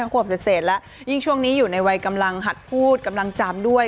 ขวบเศษแล้วยิ่งช่วงนี้อยู่ในวัยกำลังหัดพูดกำลังจำด้วย